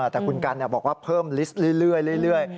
แต่คุณกันบอกว่าเพิ่มลิสต์เรื่อย